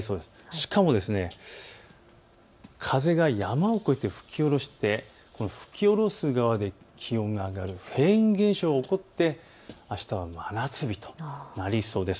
しかも風が山を越えて吹き降ろしてこの吹き降ろす側で気温が上がるフェーン現象が起こってあすは真夏日となりそうです。